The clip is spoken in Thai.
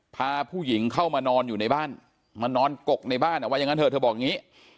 พาผู้หญิงเข้ามานอนอยู่ในบ้านมานอนกกในบ้านว่าอย่างนั้นเถอะเธอบอกอย่างนี้